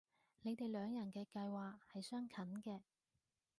你哋兩人嘅計劃係相近嘅